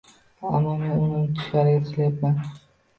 Ammo, men uni unutishga harakat qilyapman.